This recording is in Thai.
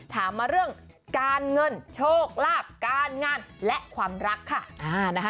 ถามมาเรื่องการเงินโชคลาภการงานและความรักค่ะนะคะ